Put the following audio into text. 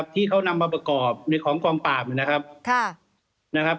ที่เขานำมาประกอบในของกองปราบนะครับ